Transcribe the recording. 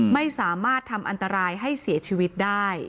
ไม่สามารถทำอันตรายให้เสียชีวิตได้